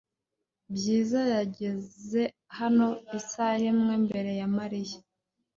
Bwiza yageze hano isaha imwe mbere ya Mariya .